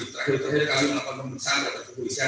terakhir terakhir kami melakukan pemeriksaan